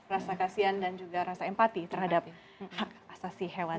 rasa kasihan dan juga rasa empati terhadap hak asasi hewan